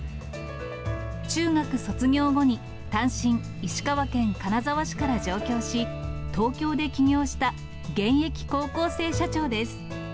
中学卒業後に、単身、石川県金沢市から上京し、東京で起業した現役高校生社長です。